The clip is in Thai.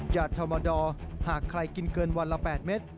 อดธรรมดาหากใครกินเกินวันละ๘เม็ด